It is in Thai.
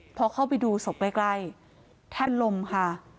พอเข้าไปดูศพใกล้แทบลมค่ะ